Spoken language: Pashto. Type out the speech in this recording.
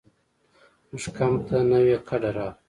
زموږ کمپ ته نوې کډه راغله.